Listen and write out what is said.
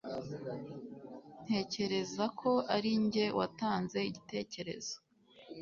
Ntekereza ko ari njye watanze igitekerezo